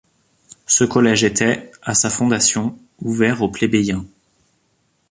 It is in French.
Ce collège était, à sa fondation, ouvert aux plébéiens.